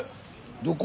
どこ？